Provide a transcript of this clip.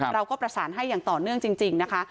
เราก็ประสานให้อย่างต่อเนื่องจริงนะคะ